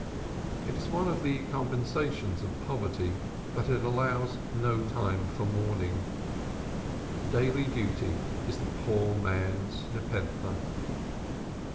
It is one of the compensations of poverty that it allows no time for mourning. Daily duty is the poor man's nepenthe.